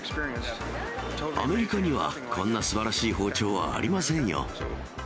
アメリカにはこんなすばらしい包丁はありませんよ。